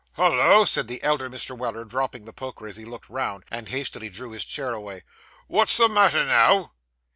'Hollo!' said the elder Mr. Weller, dropping the poker as he looked round, and hastily drew his chair away. 'Wot's the matter now?